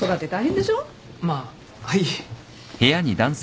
まあはい。